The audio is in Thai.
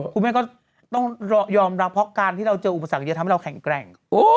คุณแม่ก็ต้องยอมรับเพราะการที่เราเจออุปสรรคจะทำให้เราแข็งแกร่ง